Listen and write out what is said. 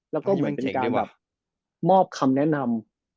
แล้วก็เหมือนเป็นการแบบมอบคำแนะนำ